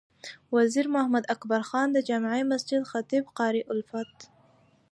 وزیر محمد اکبر خان د جامع مسجد خطیب قاري الفت،